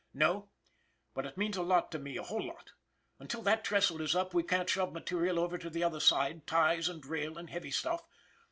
" No ? Well, it means a lot to me, a whole lot ! Until that trestle is up, we can't shove material over to the other side, ties and rails and heavy stuff.